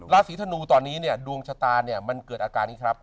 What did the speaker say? ราศีธนูตอนนี้เนี่ยดวงชะตาเนี่ยมันเกิดอาการนี้ครับ